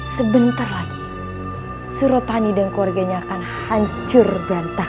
sebentar lagi surotani dan keluarganya akan hancur bantah